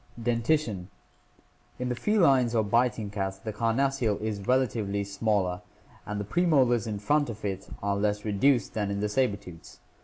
Dentition. — In the felines or biting cats the carnassial is rela tively smaller and the premolars in front of it are less reduced than in the saber tooths.